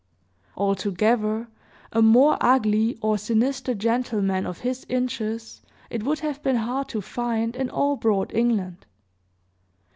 Altogether, a more ugly or sinister gentleman of his inches it would have been hard to find in all broad England.